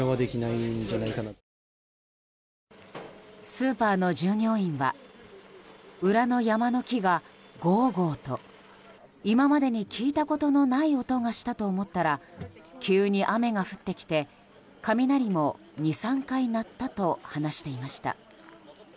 スーパーの従業員は裏の山の木がゴーゴーと今までに聞いたことがない音がしたと思ったら急に雨が降ってきて雷も２３回鳴ったと話していました。